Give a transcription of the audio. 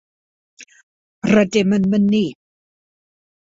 Rydym yn Mynnu!